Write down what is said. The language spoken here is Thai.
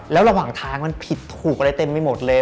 แล้วระหว่างทางมันผิดถูกอะไรเต็มไปหมดเลย